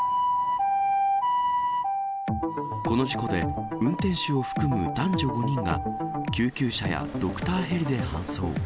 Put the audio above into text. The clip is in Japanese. この事故で運転手を含む男女５人が、救急車やドクターヘリで搬送。